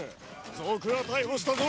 賊は逮捕したぞ！